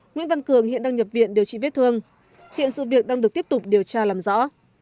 nguyễn văn cường hiện đang nhập viện điều trị vết thương hiện sự việc đang được tiếp tục điều tra làm rõ